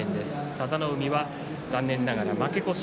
佐田の海は残念ながら負け越し